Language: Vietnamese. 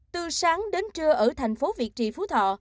từ sáng đến trưa ở thành phố việt trì phú thọ